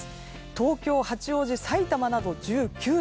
東京、八王子、さいたまなど１９度。